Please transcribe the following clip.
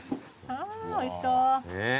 ああおいしそう。